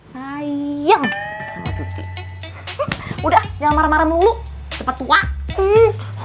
sayang udah jangan marah marah dulu cepet waktu